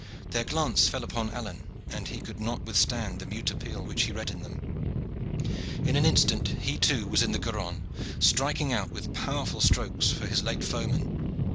Their glance fell upon Alleyne, and he could not withstand the mute appeal which he read in them. In an instant he, too, was in the Garonne, striking out with powerful strokes for his late foeman.